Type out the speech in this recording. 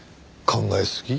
考えすぎ？